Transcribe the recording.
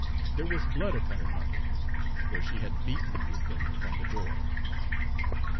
There was blood upon her knuckles, where she had beaten with them upon the door. "Dr.